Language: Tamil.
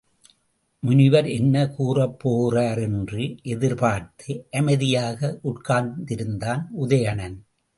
முனிவர் என்ன கூறப் போகிறார் என்று எதிர்பார்த்து அமைதியாக உட்கார்ந்திருந்தான் உதயணன்.